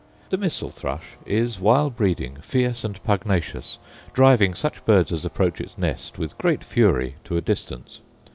The missel thrush is, while breeding, fierce and pugnacious, driving such birds as approach its nest, with great fury, to a distance.